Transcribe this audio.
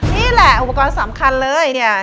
นี่แหละอุปกรณ์สำคัญเลย